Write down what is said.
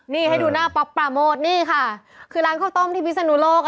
นี่ให้ดูหน้าป๊อปปราโมทนี่ค่ะคือร้านข้าวต้มที่พิศนุโลก